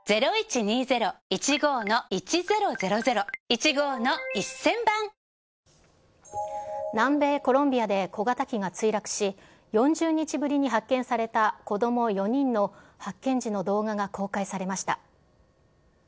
警察によりますと、南米コロンビアで小型機が墜落し、４０日ぶりに発見された子ども４人の発見時の動画が公開されました。